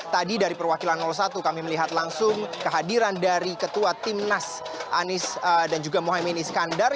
tadi dari perwakilan satu kami melihat langsung kehadiran dari ketua timnas anies dan juga mohaimin iskandar